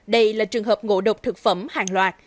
đây là trường hợp ngộ độc thực phẩm hàng loạt